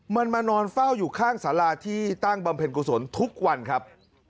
มันมานอนเฝ้าอยู่ข้างสาราที่ตั้งบำเพ็ญกุศลทุกวันครับ